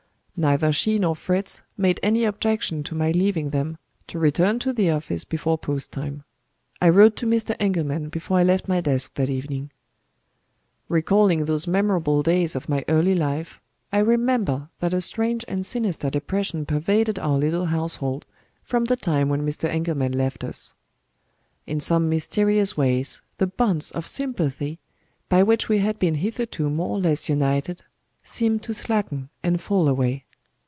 Neither she nor Fritz made any objection to my leaving them, to return to the office before post time. I wrote to Mr. Engelman before I left my desk that evening. Recalling those memorable days of my early life, I remember that a strange and sinister depression pervaded our little household, from the time when Mr. Engelman left us. In some mysterious way the bonds of sympathy, by which we had been hitherto more or less united, seemed to slacken and fall away.